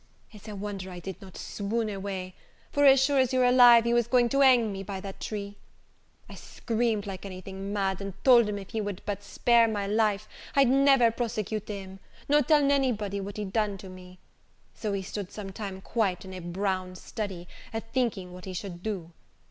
It's a wonder I did not swoon away: for as sure as you're alive, he was going to hang to me that tree. I screamed like any thing mad, and told him if he would but spare my life, I'd never prosecute him, nor tell anybody what he'd done to me: so he stood some time quite in a brown study, a thinking what he should do.